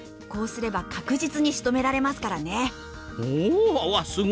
こうすれば確実にしとめられますからね。